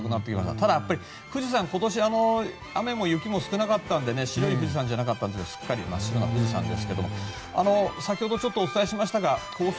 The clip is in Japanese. ただ富士山、今年は雨も雪も少なかったので白い富士山じゃなかったんですがすっかり真っ白な富士山です。